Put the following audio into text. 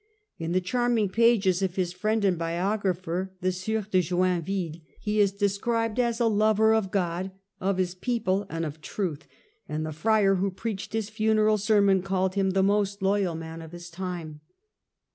In the charming pages of his friend and biographer, the Sieur de Joinville, he is described as a lover of God, of his people, and of truth, and the friar who preached his funeral sermon called him " the most loyal man of his time."